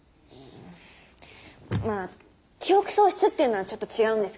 まあ記憶喪失っていうのはちょっと違うんです